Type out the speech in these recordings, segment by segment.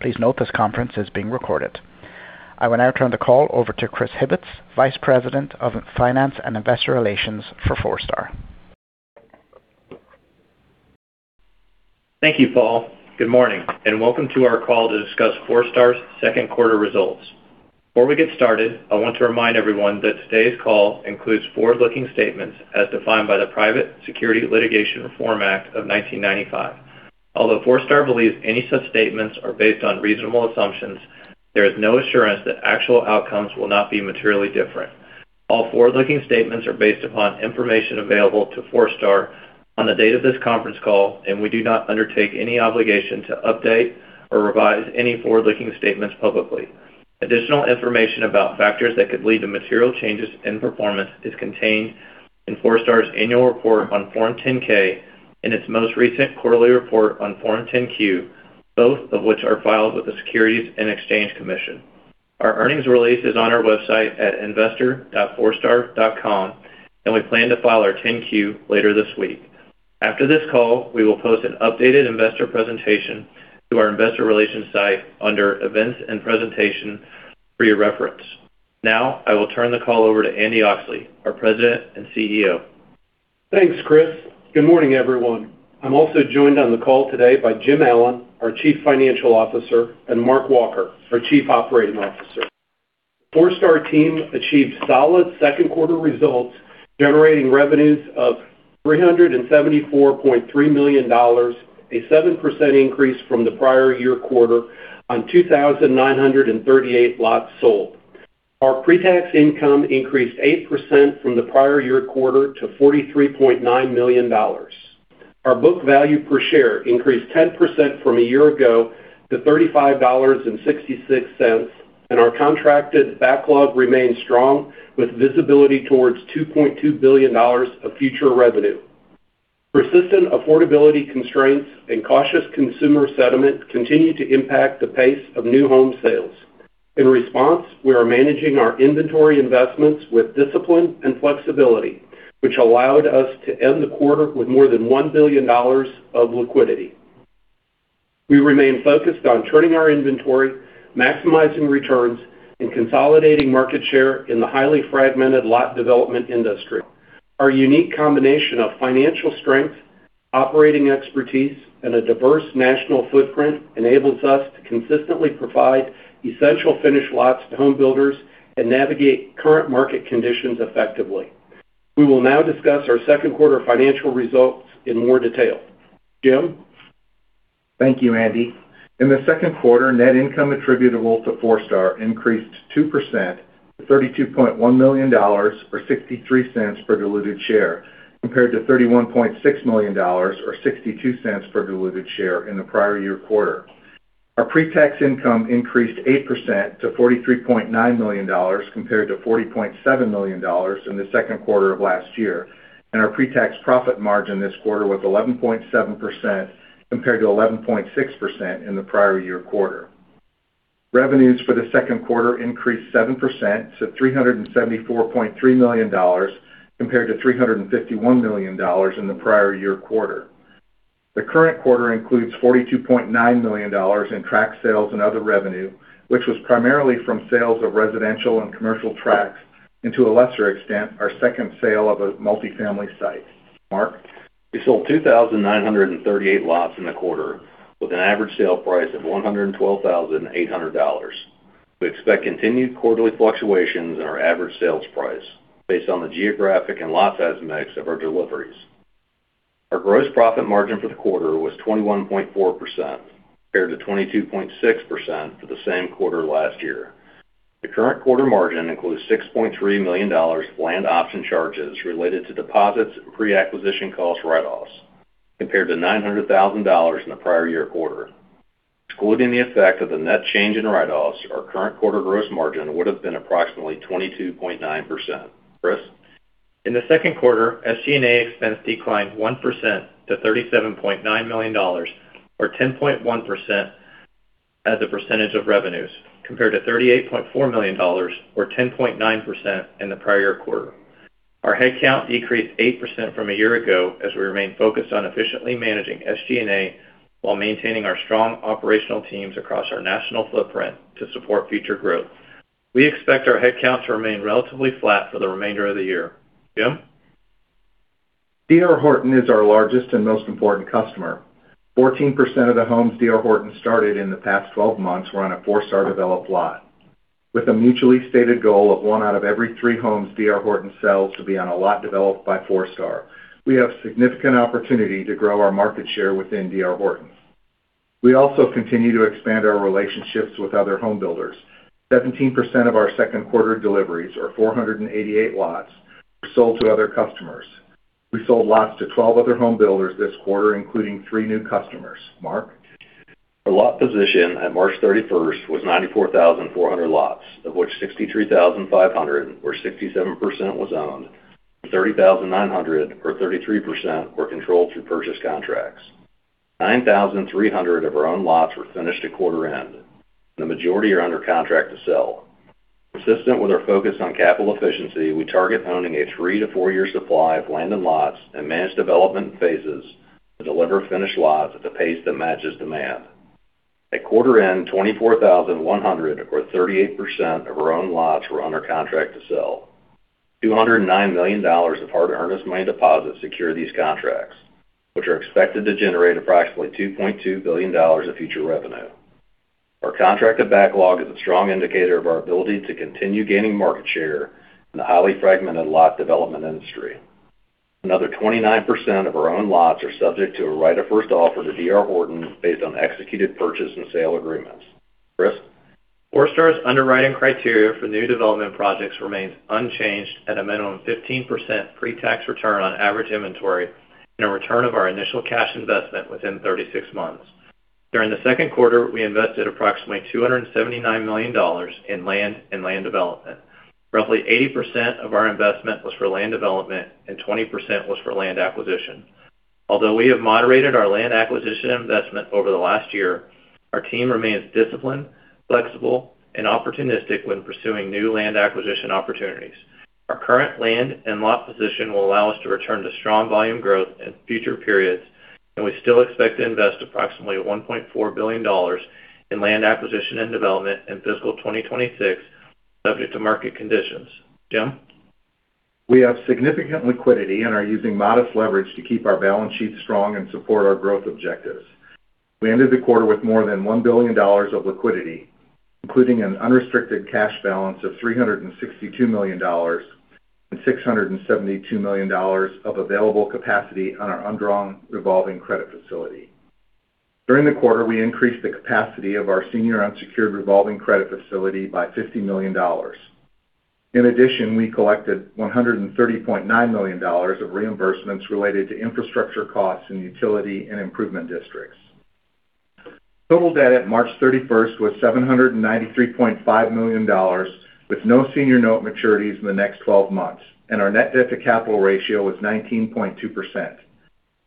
Please note this conference is being recorded. I will now turn the call over to Chris Hibbetts, Vice President of Finance and Investor Relations for Forestar. Thank you, Paul. Good morning, and welcome to our call to discuss Forestar's second quarter results. Before we get started, I want to remind everyone that today's call includes forward-looking statements as defined by the Private Securities Litigation Reform Act of 1995. Although Forestar believes any such statements are based on reasonable assumptions, there is no assurance that actual outcomes will not be materially different. All forward-looking statements are based upon information available to Forestar on the date of this conference call, and we do not undertake any obligation to update or revise any forward-looking statements publicly. Additional information about factors that could lead to material changes in performance is contained in Forestar's annual report on Form 10-K and its most recent quarterly report on Form 10-Q, both of which are filed with the Securities and Exchange Commission. Our earnings release is on our website at investor.forestar.com, and we plan to file our 10-Q later this week. After this call, we will post an updated investor presentation to our investor relations site under Events and Presentation for your reference. Now, I will turn the call over to Andy Oxley, our President and CEO. Thanks, Chris. Good morning, everyone. I'm also joined on the call today by Jim Allen, our Chief Financial Officer, and Mark Walker, our Chief Operating Officer. Forestar team achieved solid second quarter results, generating revenues of $374.3 million, a 7% increase from the prior year quarter on 2,938 lots sold. Our pre-tax income increased 8% from the prior year quarter to $43.9 million. Our book value per share increased 10% from a year ago to $35.66, and our contracted backlog remains strong, with visibility towards $2.2 billion of future revenue. Persistent affordability constraints and cautious consumer sentiment continue to impact the pace of new home sales. In response, we are managing our inventory investments with discipline and flexibility, which allowed us to end the quarter with more than $1 billion of liquidity. We remain focused on turning our inventory, maximizing returns, and consolidating market share in the highly fragmented lot development industry. Our unique combination of financial strength, operating expertise, and a diverse national footprint enables us to consistently provide essential finished lots to home builders and navigate current market conditions effectively. We will now discuss our second quarter financial results in more detail. Jim? Thank you, Andy. In the second quarter, net income attributable to Forestar increased 2% to $32.1 million, or $0.63 per diluted share, compared to $31.6 million or $0.62 per diluted share in the prior year quarter. Our pre-tax income increased 8% to $43.9 million, compared to $40.7 million in the second quarter of last year, and our pre-tax profit margin this quarter was 11.7% compared to 11.6% in the prior year quarter. Revenues for the second quarter increased 7% to $374.3 million, compared to $351 million in the prior year quarter. The current quarter includes $42.9 million in tract sales and other revenue, which was primarily from sales of residential and commercial tracts, and to a lesser extent, our second sale of a multi-family site. Mark? We sold 2,938 lots in the quarter, with an average sale price of $112,800. We expect continued quarterly fluctuations in our average sales price based on the geographic and lot size mix of our deliveries. Our gross profit margin for the quarter was 21.4%, compared to 22.6% for the same quarter last year. The current quarter margin includes $6.3 million of land option charges related to deposits and pre-acquisition cost write-offs, compared to $900,000 in the prior year quarter. Excluding the effect of the net change in write-offs, our current quarter gross margin would have been approximately 22.9%. Chris? In the second quarter, SG&A expense declined 1% to $37.9 million, or 10.1% as a percentage of revenues, compared to $38.4 million or 10.9% in the prior quarter. Our head count decreased 8% from a year ago as we remain focused on efficiently managing SG&A while maintaining our strong operational teams across our national footprint to support future growth. We expect our head count to remain relatively flat for the remainder of the year. Jim? D.R. Horton is our largest and most important customer. 14% of the homes D.R. Horton started in the past 12 months were on a Forestar-developed lot. With a mutually stated goal of 1/3 of the homes D.R. Horton sells to be on a lot developed by Forestar, we have significant opportunity to grow our market share within D.R. Horton. We also continue to expand our relationships with other home builders. 17% of our second quarter deliveries, or 488 lots, were sold to other customers. We sold lots to 12 other home builders this quarter, including 3 new customers. Mark? Our lot position at March 31st was 94,400 lots, of which 63,500 or 67% was owned and 30,900 or 33% were controlled through purchase contracts. 9,300 of our own lots were finished at quarter end, and the majority are under contract to sell. Consistent with our focus on capital efficiency, we target owning a 3- to 4-year supply of land and lots and manage development in phases to deliver finished lots at the pace that matches demand. At quarter end, 24,100, or 38% of our own lots were under contract to sell. $209 million of hard earnest money deposits secure these contracts, which are expected to generate approximately $2.2 billion of future revenue. Our contracted backlog is a strong indicator of our ability to continue gaining market share in the highly fragmented lot development industry. Another 29% of our own lots are subject to a right of first offer to D.R. Horton based on executed purchase and sale agreements. Chris? Forestar's underwriting criteria for new development projects remains unchanged at a minimum 15% pretax return on average inventory and a return of our initial cash investment within 36 months. During the second quarter, we invested approximately $279 million in land acquisition and land development. Roughly 80% of our investment was for land development and 20% was for land acquisition. Although we have moderated our land acquisition investment over the last year, our team remains disciplined, flexible and opportunistic when pursuing new land acquisition opportunities. Our current land and lot position will allow us to return to strong volume growth in future periods, and we still expect to invest approximately $1.4 billion in land acquisition and development in fiscal 2026, subject to market conditions. Jim? We have significant liquidity and are using modest leverage to keep our balance sheet strong and support our growth objectives. We ended the quarter with more than $1 billion of liquidity, including an unrestricted cash balance of $362 million and $672 million of available capacity on our undrawn revolving credit facility. During the quarter, we increased the capacity of our senior unsecured revolving credit facility by $50 million. In addition, we collected $130.9 million of reimbursements related to infrastructure costs in utility and improvement districts. Total debt at March 31st was $793.5 million, with no senior note maturities in the next 12 months, and our net debt to capital ratio was 19.2%.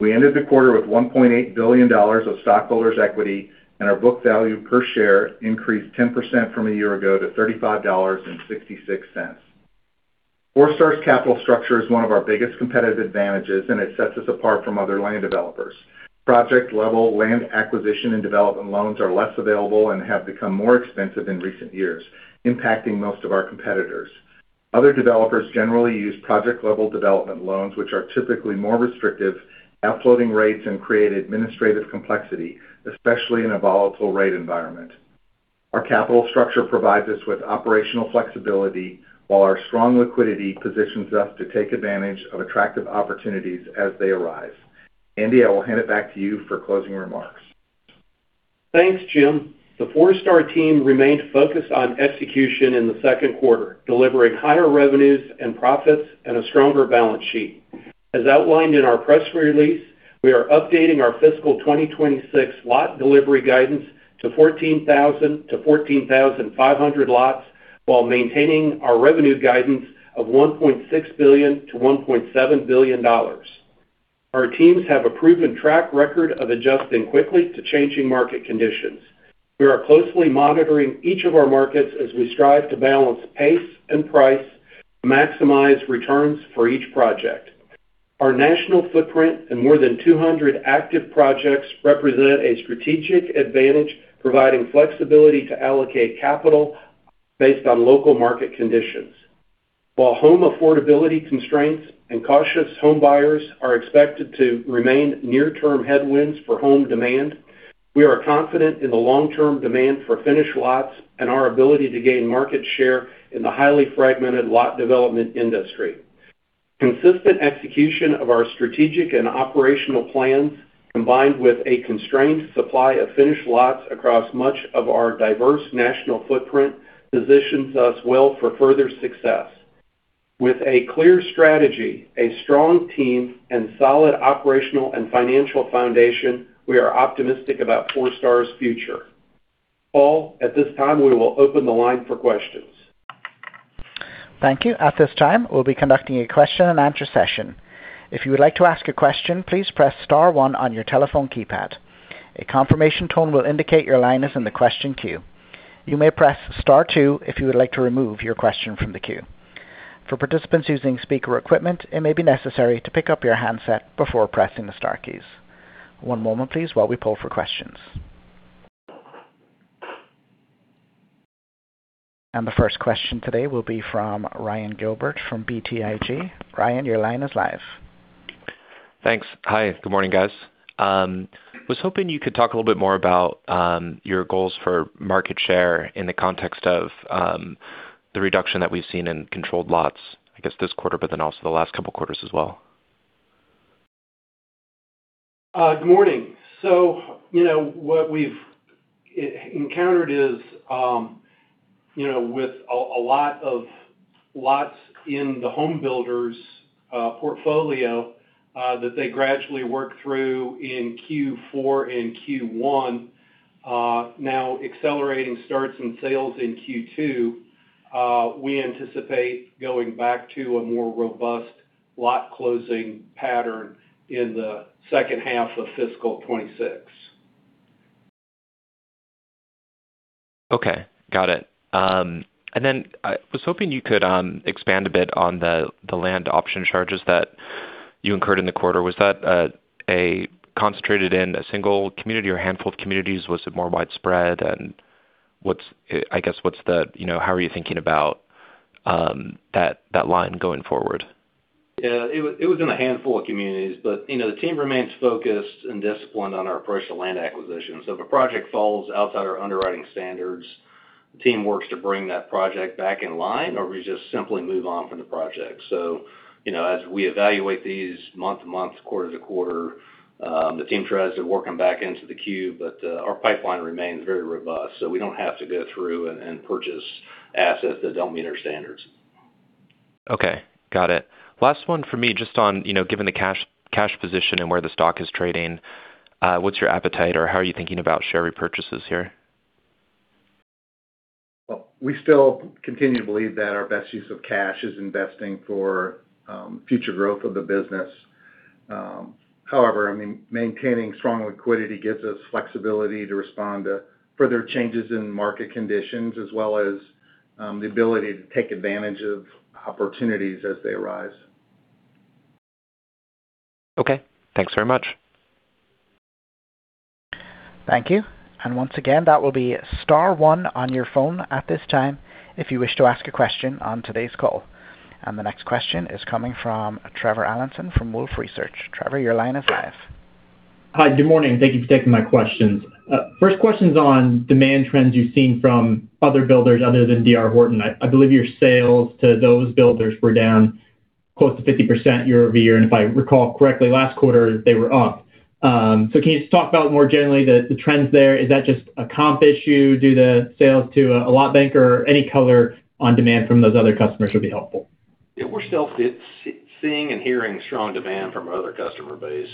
We ended the quarter with $1.8 billion of stockholders' equity, and our book value per share increased 10% from a year ago to $35.66. Forestar's capital structure is one of our biggest competitive advantages, and it sets us apart from other land developers. Project-level land acquisition and development loans are less available and have become more expensive in recent years, impacting most of our competitors. Other developers generally use project-level development loans, which are typically more restrictive at floating rates and create administrative complexity, especially in a volatile rate environment. Our capital structure provides us with operational flexibility while our strong liquidity positions us to take advantage of attractive opportunities as they arise. Andy, I will hand it back to you for closing remarks. Thanks, Jim. The Forestar team remained focused on execution in the second quarter, delivering higher revenues and profits and a stronger balance sheet. As outlined in our press release, we are updating our fiscal 2026 lot delivery guidance to 14,000-14,500 lots while maintaining our revenue guidance of $1.6 billion-$1.7 billion. Our teams have a proven track record of adjusting quickly to changing market conditions. We are closely monitoring each of our markets as we strive to balance pace and price to maximize returns for each project. Our national footprint and more than 200 active projects represent a strategic advantage, providing flexibility to allocate capital based on local market conditions. While home affordability constraints and cautious homebuyers are expected to remain near-term headwinds for home demand, we are confident in the long-term demand for finished lots and our ability to gain market share in the highly fragmented lot development industry. Consistent execution of our strategic and operational plans, combined with a constrained supply of finished lots across much of our diverse national footprint, positions us well for further success. With a clear strategy, a strong team, and solid operational and financial foundation, we are optimistic about Forestar's future. Paul, at this time, we will open the line for questions. Thank you. At this time, we'll be conducting a question and answer session. If you would like to ask a question, please press star 1 on your telephone keypad. A confirmation tone will indicate your line is in the question queue. You may press star 2 if you would like to remove your question from the queue. For participants using speaker equipment, it may be necessary to pick up your handset before pressing the star keys. One moment, please, while we poll for questions. The first question today will be from Ryan Gilbert from BTIG. Ryan, your line is live. Thanks. Hi. Good morning, guys. I was hoping you could talk a little bit more about your goals for market share in the context of the reduction that we've seen in controlled lots, I guess this quarter, but then also the last couple of quarters as well? Good morning. What we've encountered is with a lot of lots in the home builders' portfolio that they gradually work through in Q4 and Q1, now accelerating starts and sales in Q2, we anticipate going back to a more robust lot closing pattern in the second half of fiscal 2026. Okay, got it. I was hoping you could expand a bit on the land option charges that you incurred in the quarter. Was that concentrated in a single community or a handful of communities? Was it more widespread? I guess, how are you thinking about that line going forward? Yeah, it was in a handful of communities. The team remains focused and disciplined on our approach to land acquisition. If a project falls outside our underwriting standards, the team works to bring that project back in line, or we just simply move on from the project. As we evaluate these month to month, quarter to quarter, the team tries to work them back into the queue, but our pipeline remains very robust, so we don't have to go through and purchase assets that don't meet our standards. Okay, got it. Last one for me, just on, given the cash position and where the stock is trading, what's your appetite or how are you thinking about share repurchases here? Well, we still continue to believe that our best use of cash is investing for future growth of the business. However, maintaining strong liquidity gives us flexibility to respond to further changes in market conditions as well as the ability to take advantage of opportunities as they arise. Okay. Thanks very much. Thank you. Once again, that will be star one on your phone at this time if you wish to ask a question on today's call. The next question is coming from Trevor Allinson from Wolfe Research. Trevor, your line is live. Hi. Good morning. Thank you for taking my questions. First question's on demand trends you've seen from other builders other than D.R. Horton. I believe your sales to those builders were down close to 50% year-over-year, and if I recall correctly, last quarter they were up. Can you just talk about more generally the trends there? Is that just a comp issue due to sales to a lot banker? Any color on demand from those other customers would be helpful. Yeah, we're still seeing and hearing strong demand from our other customer base.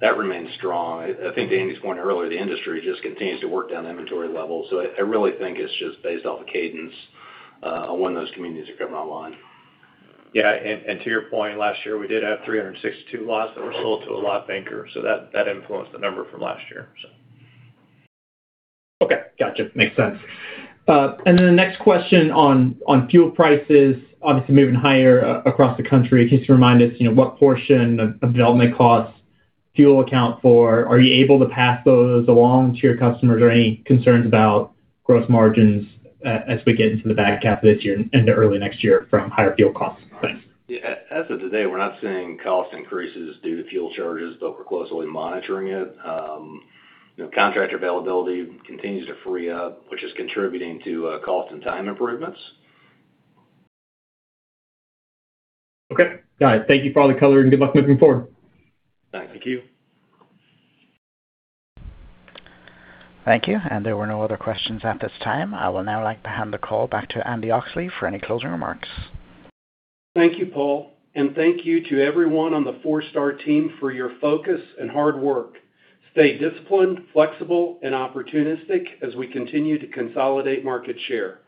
That remains strong. I think to Andy's point earlier, the industry just continues to work down inventory levels. I really think it's just based off the cadence on when those communities are coming online. Yeah, to your point, last year we did have 362 lots that were sold to a lot banker, so that influenced the number from last year, so. Okay. Gotcha. Makes sense. The next question on fuel prices obviously moving higher across the country. Can you just remind us what portion of development costs fuel account for? Are you able to pass those along to your customers? Are there any concerns about gross margins as we get into the back half of this year and to early next year from higher fuel costs? Thanks. Yeah. As of today, we're not seeing cost increases due to fuel charges, but we're closely monitoring it. Contractor availability continues to free up, which is contributing to cost and time improvements. Okay. All right. Thank you for all the color, and good luck moving forward. Thank you. Thank you. There were no other questions at this time. I would now like to hand the call back to Andy Oxley for any closing remarks. Thank you, Paul, and thank you to everyone on the Forestar team for your focus and hard work. Stay disciplined, flexible, and opportunistic as we continue to consolidate market share.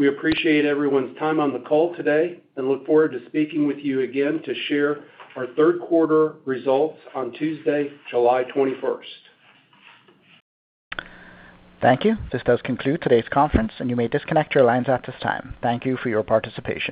We appreciate everyone's time on the call today and look forward to speaking with you again to share our third quarter results on Tuesday, July 21st. Thank you. This does conclude today's conference, and you may disconnect your lines at this time. Thank you for your participation.